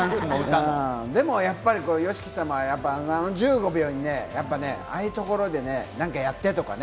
でもやっぱりＹＯＳＨＩＫＩ様はあの１５秒にね、ああいうところで何かやって、とかね。